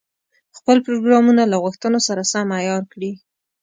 خپل پروګرامونه له غوښتنو سره سم عیار کړي.